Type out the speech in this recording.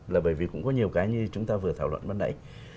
là bởi vì cũng có nhiều cái như chúng ta vừa thảo luận văn nãy